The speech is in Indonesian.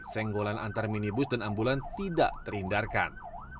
senggolan antar minibus dan ambulan tidak terhindarkan